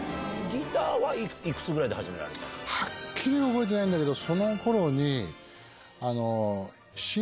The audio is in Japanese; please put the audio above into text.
ハッキリ覚えてないんだけど。